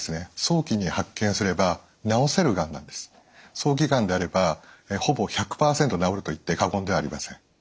早期がんであればほぼ１００％治ると言って過言ではありません。